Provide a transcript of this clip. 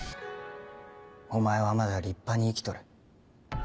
お前はまだ立派に生きとる。